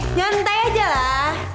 santai aja lah